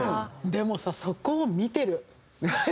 でもさそこを見てるっていう。